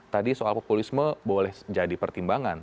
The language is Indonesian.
tadi soal populisme boleh jadi pertimbangan